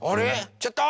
ちょっと！